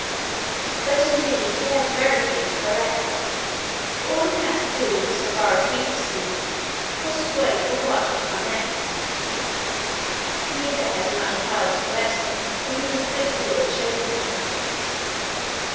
But indeed he had very few to collect, for all he had to do, so far as he could see, was to wait for what would come next. Neither had he much power to collect them, for he was a good deal shaken.